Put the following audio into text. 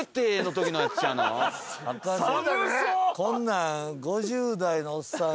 こんなん。